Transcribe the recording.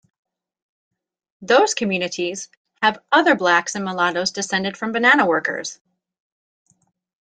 Those communities have other blacks and mulattos descended from banana workers.